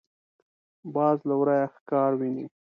باز له ورايه ښکار ویني